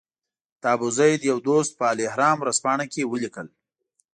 د ابوزید یو دوست په الاهرام ورځپاڼه کې ولیکل.